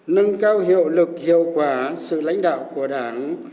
nâng cao hiệu lực hiệu quả sự lãnh đạo của đảng